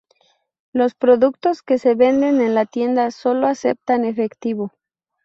Los productos que se venden en la tienda sólo aceptan efectivo.